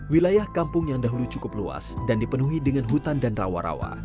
wilayah kampung yang dahulu cukup luas dan dipenuhi dengan hutan dan rawa rawa